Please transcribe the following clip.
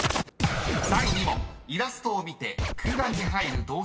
［第２問イラストを見て］